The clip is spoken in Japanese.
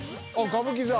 歌舞伎座